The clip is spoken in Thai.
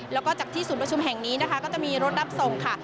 และจากที่สูงประชุมแห่งนี้ก็จะมีรถรับส่งค่ะ